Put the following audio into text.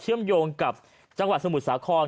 เชื่อมโยงกับจังหวัดสมุทรสาคร